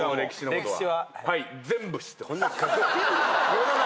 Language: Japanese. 世の中。